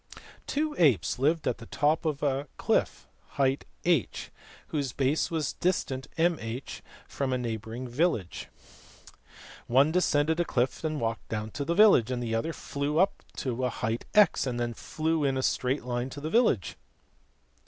"Two apes lived at the top of a cliff of height h, whose base was distant mh from a neighbouring village. One descended the cliff and walked to the village, the other flew up a height x and then flew in a straight line to the village.